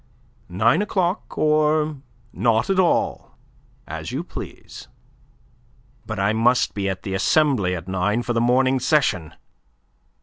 Nine o'clock or not at all, as you please." "But I must be at the Assembly at nine, for the morning session."